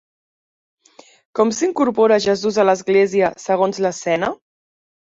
Com s'incorpora Jesús a l'església segons l'escena?